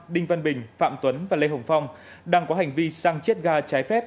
đinh văn bình phạm tuấn và lê hồng phong đang có hành vi xăng chiết ga trái phép